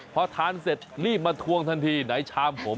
พอทานเสร็จรีบมาทวงทันทีไหนชามผม